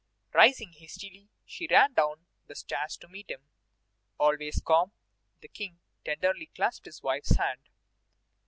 Rising hastily, she ran down the stairs to meet him. Always calm, the King tenderly clasped his wife's hand.